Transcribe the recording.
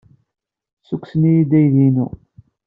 Ssukksen-iyi-d aydi-inu.